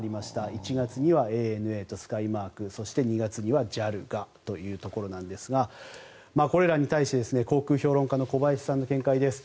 １月にはＡＮＡとスカイマークそして２月にはＪＡＬがというところなんですがこれらに対して航空評論家の小林さんの見解です。